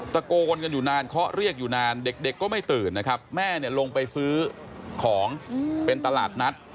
ตะโกนกันอยู่นานเคาะเรียกอยู่นานเด็กก็ไม่ตื่นนะครับแม่เนี่ยลงไปซื้อของเป็นตลาดนัด